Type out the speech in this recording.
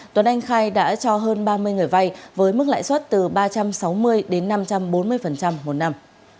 tuấn anh khai đã cho hơn ba mươi người vay với mức lãi suất từ ba trăm sáu mươi đến năm trăm bốn mươi một năm